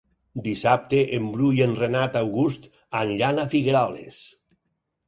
Dissabte en Bru i en Renat August aniran a Figueroles.